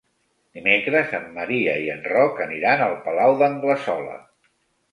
Dimecres en Maria i en Roc aniran al Palau d'Anglesola.